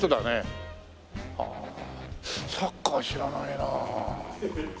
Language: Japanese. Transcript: はあサッカー知らないな。